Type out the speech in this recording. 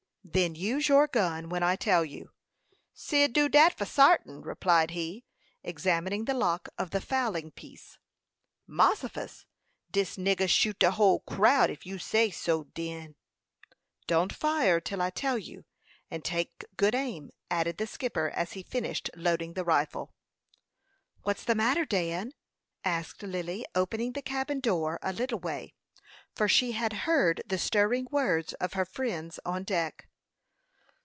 "Then use your gun when I tell you." "Cyd do dat, for sartin," replied he, examining the lock of the fowling piece. "Mossifus! Dis nigger shoot de whole crowd if you says so, Dan." "Don't fire till I tell you, and take good aim," added the skipper, as he finished loading the rifle. "What's the matter, Dan?" asked Lily, opening the cabin door a little way, for she had heard the stirring words of her friends on deck.